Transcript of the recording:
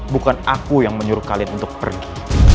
bukan aku yang menyuruh kalian untuk pergi